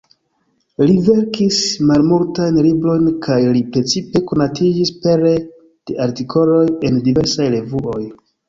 Li verkis malmultajn librojn, kaj li precipe konatiĝis pere de artikoloj en diversaj revuoj.